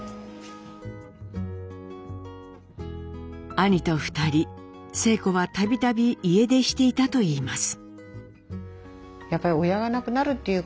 兄と２人晴子は度々家出していたと言います。